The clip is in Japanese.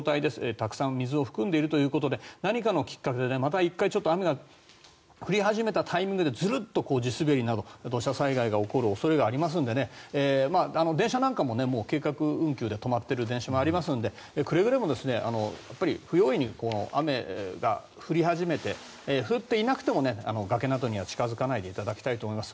たくさん水を含んでいるということで何かのきっかけでまた雨が降り始めたタイミングでズルッと地滑りなど土砂災害が起こる可能性がありますので電車なんかも計画運休で止まっている電車がありますので、くれぐれも不用意に雨が降り始めて降っていなくても崖などには近付かないでいただきたいと思います。